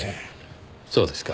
そうですか。